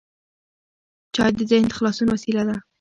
چای د ذهن د خلاصون وسیله ده.